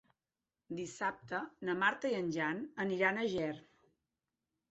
Dissabte na Marta i en Jan aniran a Ger.